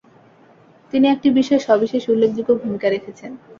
তিনি একটি বিষয়ে সবিশেষ উল্লেখযোগ্য ভূমিকা রেখেছেন।